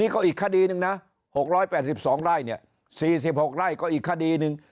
ก็อีกคดีหนึ่งนะ๖๘๒ไร่เนี่ย๔๖ไร่ก็อีกคดีหนึ่ง